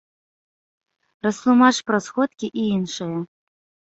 Растлумач пра сходкі і іншае.